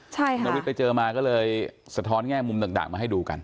ใช่ค่ะนวิทย์ไปเจอมาก็เลยสะท้อนแง่มุมดั่งดั่งมาให้ดูกัน